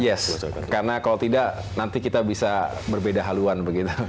yes karena kalau tidak nanti kita bisa berbeda haluan begitu